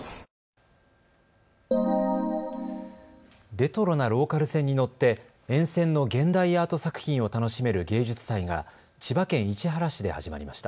レトロなローカル線に乗って沿線の現代アート作品を楽しめる芸術祭が千葉県市原市で始まりました。